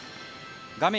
画面